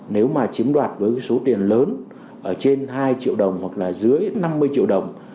nếu mà chiếm đoạt với số tiền lớn trên hai triệu đồng hoặc là dưới năm mươi triệu đồng